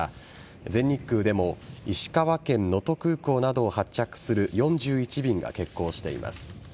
全日空でも石川県能登空港などを発着する４１便が欠航しています。